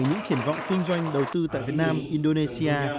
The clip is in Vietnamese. những triển vọng kinh doanh đầu tư tại việt nam indonesia